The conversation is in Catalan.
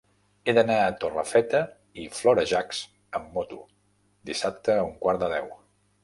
He d'anar a Torrefeta i Florejacs amb moto dissabte a un quart de deu.